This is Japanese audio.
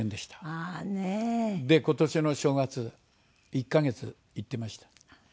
今年の正月１カ月行ってました。